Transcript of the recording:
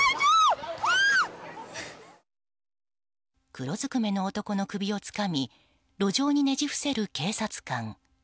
黒ずくめの男の首をつかみ路上にねじ伏せる警察官。